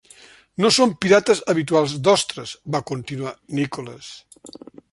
No són pirates habituals d'ostres, va continuar Nicholas.